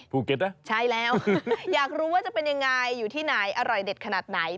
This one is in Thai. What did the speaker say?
ภูเก็ตนะใช่แล้วอยากรู้ว่าจะเป็นยังไงอยู่ที่ไหนอร่อยเด็ดขนาดไหน